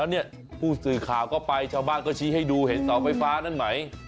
แล้วเนี่ยผู้สื่อข่าวก็ไปชาวบ้านก็ชี้ให้ดูเห็นเสาไฟฟ้านั่นไหม